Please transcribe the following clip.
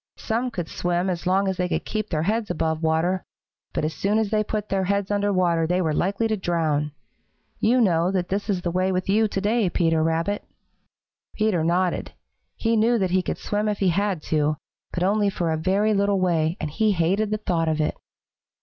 Some could swim as long as they could keep their heads above water, but as soon as they put their heads under water they were likely to drown. You know that is the way with you to day, Peter Rabbit." Peter nodded. He knew that he could swim if he had to, but only for a very little way, and he hated the thought of it.